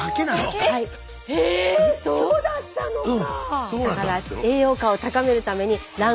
へぇそうだったのか！